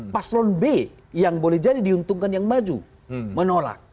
paslon b yang boleh jadi diuntungkan yang maju menolak